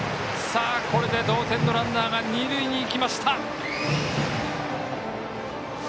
これで同点のランナーが二塁へ行きました。